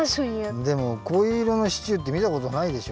でもこういういろのシチューってみたことないでしょ？